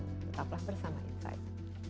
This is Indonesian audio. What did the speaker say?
tetaplah bersama insight